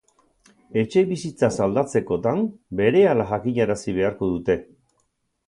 Etxebizitzaz aldatzekotan berehala jakinarazi beharko dute.